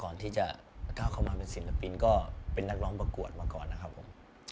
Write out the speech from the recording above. ก่อนที่จะก้าวเข้ามาเป็นศิลปินก็เป็นนักร้องประกวดมาก่อนนะครับผม